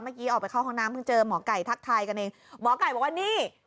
ออกไปเข้าห้องน้ำเพิ่งเจอหมอไก่ทักทายกันเองหมอไก่บอกว่านี่